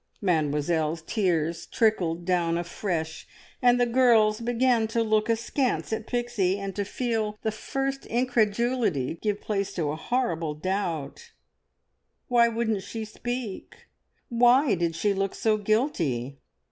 Mademoiselle's tears trickled down afresh, and the girls began to look askance at Pixie, and to feel the first incredulity give place to a horrible doubt. Why wouldn't she speak? Why did she look so guilty?